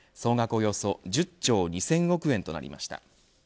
およそ１０兆２０００億円となりました。